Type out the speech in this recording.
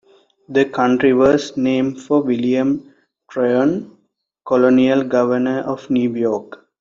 The county was named for William Tryon, colonial governor of New York.